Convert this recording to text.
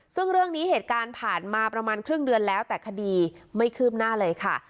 ซึ่งเรื่องนี้เหตุการณ์ผ่านมาประมาณครึ่งเดือนแล้วแต่คดีไม่คืบหน้าเลยค่ะ